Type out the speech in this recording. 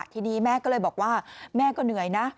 ทีนี้แม่ก็เลยบอกว่าแม่ก็เหนื่อยนะ